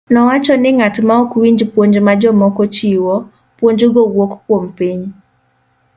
Nowacho ni ng'at maok winj puonj ma jomoko chiwo, puonjgo wuok kuom piny.